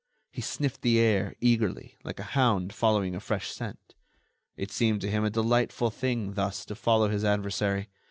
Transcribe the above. He sniffed the air, eagerly, like a hound following a fresh scent. It seemed to him a delightful thing thus to follow his adversary.